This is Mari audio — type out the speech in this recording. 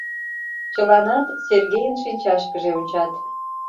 Чыланат Сергейын шинчашкыже ончат.